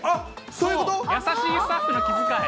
優しいスタッフの気遣い。